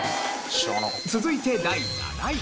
続いて第７位。